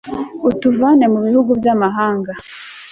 utuvane mu bihugu by'amahanga